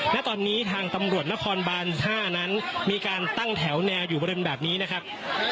ณตอนนี้ทางตำรวจนครบาน๕นั้นมีการตั้งแถวแนวอยู่บริเวณแบบนี้นะครับ